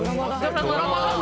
ドラマだ。